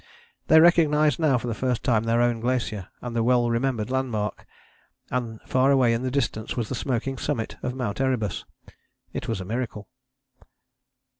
They recognized now for the first time their own glacier and the well remembered landmark, and far away in the distance was the smoking summit of Mount Erebus. It was a miracle.